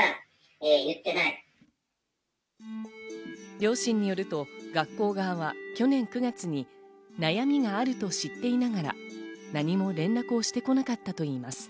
両親によると学校側は去年９月に悩みがあるとしていながら何も連絡をしてこなかったといいます。